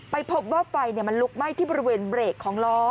ไปพบว่าไฟมันลุกไหม้ที่บริเวณเบรกของล้อ